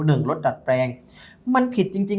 หนึ่งลดดัฟแปลงมันผิดจริง